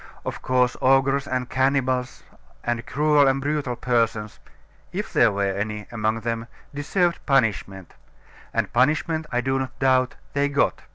Of course, ogres and cannibals, and cruel and brutal persons (if there were any among them), deserved punishment and punishment, I do not doubt, they got.